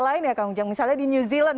lain ya kang ujang misalnya di new zealand